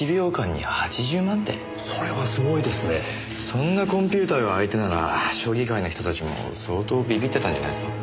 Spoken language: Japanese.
そんなコンピューターが相手なら将棋界の人たちも相当ビビってたんじゃないっすか？